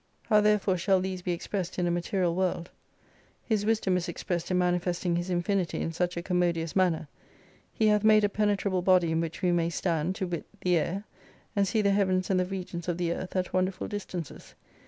How therefore shall these be ex pressed in a material world ? His wisdom is expressed in manifesting His infinity in such a commodious manner. He hath made a penetrable body in which we may stand, to wit the air, and see the Heavens and the regions of the Earth, at wonderful distances.